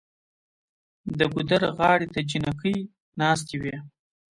د ګودر غاړې ته جینکۍ ناستې وې